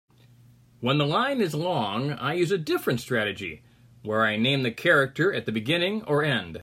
When the line is long, I use a different strategy where I name the character at the beginning or end.